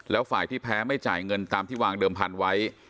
แล้วฝ่ายที่แพ้ไม่จ่ายเงินตามที่วางเดิมพันธุ์ไว้